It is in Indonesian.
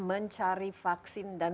mencari vaksin dan